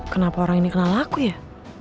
kenapa orang ini kenal laku ya